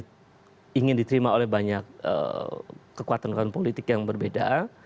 yang ingin diterima oleh banyak kekuatan kekuatan politik yang berbeda